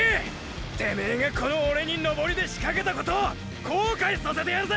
てめェがこのオレに“登り”でしかけたことを後悔させてやるぜ！！